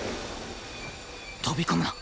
飛び込むな！